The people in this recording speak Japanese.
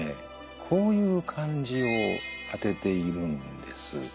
こういう漢字を当てているんです。